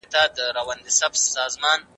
ښوونکی درس ورکاوه او تدريس روان و.